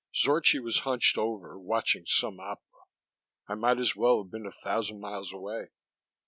Zorchi was hunched over, watching some opera; I might as well have been a thousand miles away.